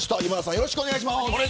よろしくお願いします。